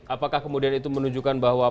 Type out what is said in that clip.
apakah kemudian itu menunjukkan bahwa